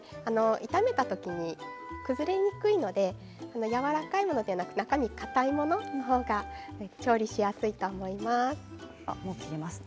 炒めた時に崩れにくいのでやわらかいものでなく中身かたいものの方が調理しやすいと思います。